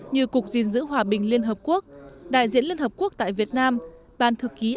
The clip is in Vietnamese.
như cục dình giữ hòa bình liên hợp quốc đại diễn liên hợp quốc tại việt nam ban thực ký asean